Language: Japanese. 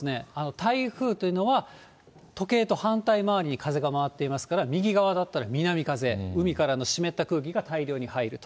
台風というのは、時計と反対回りに風が回っていますから、右側だったら南風、海からの湿った空気が大量に入ると。